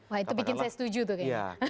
wah itu bikin saya setuju tuh kayaknya